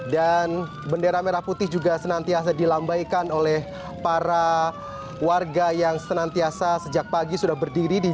dan bendera merah putih juga senantiasa dilambaikan oleh para warga yang senantiasa sejak pagi sudah berdiri di atas bus bandros ini